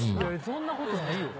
そんなことないよ。